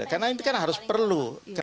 karena itu kan harus perlu